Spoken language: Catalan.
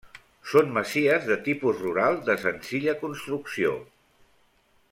Són masies de tipus rural de senzilla construcció.